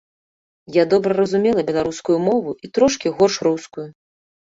Я добра разумела беларускую мову і трошкі горш рускую.